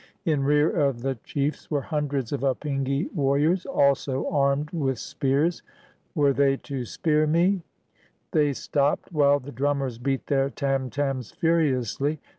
In rear of the chiefs were hundreds of Apingi warriors, also armed 432 DU CHAILLU KING OF THE APINGI with spears. Were they to spear me? They stopped, while the drummers beat their tam tams furiously.